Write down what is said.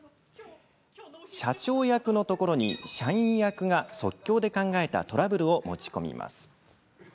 社長役のところに社員役が即興で考えたトラブルを持ち込みます。